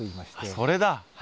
それだ。